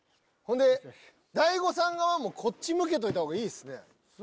ほんで大悟さん側もこっち向けたほうがいいっすね。